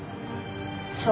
そう。